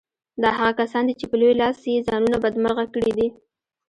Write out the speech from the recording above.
دا هغه کسان دي چې په لوی لاس يې ځانونه بدمرغه کړي دي.